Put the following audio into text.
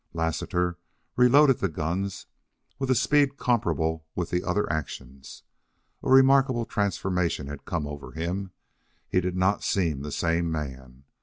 Lassiter reloaded the guns with a speed comparable with the other actions. A remarkable transformation had come over him. He did not seem the same man.